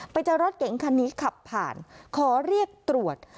ไปเจอรถเก๋งคันนี้ขับผ่านขอเรียกตรวจ